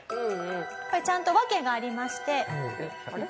これちゃんと訳がありまして。